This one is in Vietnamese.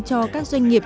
cho các doanh nghiệp